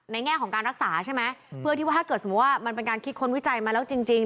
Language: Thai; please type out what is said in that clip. แง่ของการรักษาใช่ไหมเพื่อที่ว่าถ้าเกิดสมมุติว่ามันเป็นการคิดค้นวิจัยมาแล้วจริงจริง